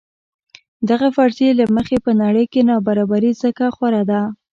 دغې فرضیې له مخې په نړۍ کې نابرابري ځکه خوره ده.